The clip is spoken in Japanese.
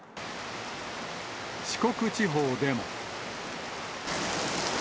四国地方でも。